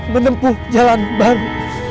menempuh jalan baru